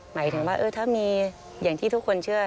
หมายถึงว่าถ้ามีอย่างที่ทุกคนเชื่อ